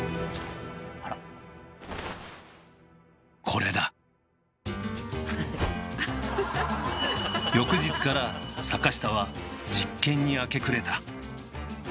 これだ翌日から坂下は実験に明け暮れた。